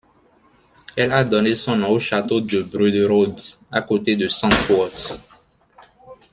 Elle a donné son nom au château de Brederode, à côté de Santpoort.